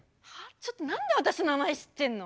ちょっと何で私の名前知ってんの？